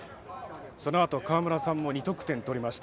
そのあと、川村さんも２得点取りました。